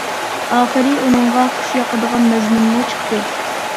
ئاخىرى ئۇنىڭغا خوش ياقىدىغان مەزمۇنمۇ چىقتى.